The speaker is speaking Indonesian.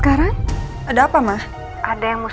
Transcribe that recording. ternyata dia mau ketemu sama mandin